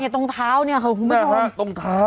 ตรงเท้าเนี่ยครับคุณผู้ชมครับอืมใช่ค่ะตรงเท้าอะ